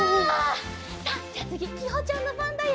さあじゃあつぎきほちゃんのばんだよ！